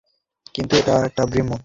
কিন্তু এটা একটা বিভ্রম।